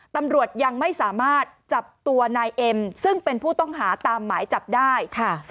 ตำรวจยังไม่สามารถจับตัวนายเอ็มซึ่งเป็นผู้ต้องหาตามหมายจับได้